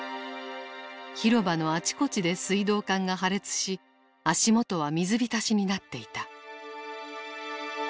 広場のあちこちで水道管が破裂し足元は水浸しになっていた。